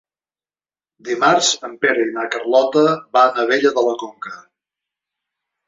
Dimarts en Pere i na Carlota van a Abella de la Conca.